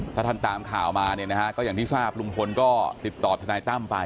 ถ้าท่านตามข่าวมาเนี่ยนะฮะก็อย่างที่ทราบลุงพลก็ติดต่อทนายตั้มไป